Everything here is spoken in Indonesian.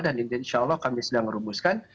dan insya allah kami sedang merubuskan